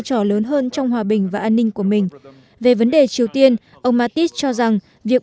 trò lớn hơn trong hòa bình và an ninh của mình về vấn đề triều tiên ông mattis cho rằng việc